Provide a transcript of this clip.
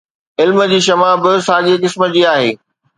علم جي شمع به ساڳي قسم جي آهي.